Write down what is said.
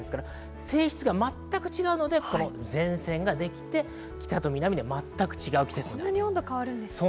性質が全く違うので、前線ができて北と南、全く違う天気になるんです。